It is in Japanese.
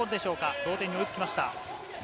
同点に追いつきました。